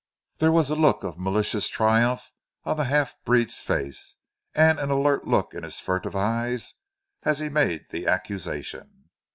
There was a look of malicious triumph on the half breed's face, and an alert look in his furtive eyes as he made the accusation.